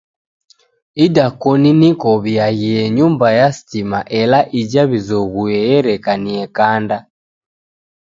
Idakoni niko w'iaghie nyumba ya smiti ela ija w'izoghue ereka ni yekanda.